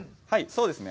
そうですね。